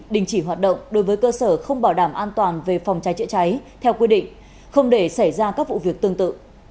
đình chỉ hoạt động đối với cơ sở không bảo đảm an toàn về phòng cháy chữa cháy theo quy định không để xảy ra các vụ việc tương tự